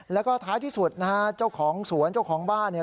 แล้วก็ท้ายที่สุดนะฮะเจ้าของสวนเจ้าของบ้านเนี่ย